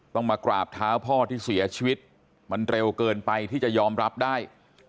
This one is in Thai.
ต้องมากราบเท้าพ่อที่เสียชีวิตมันเร็วเกินไปที่จะยอมรับได้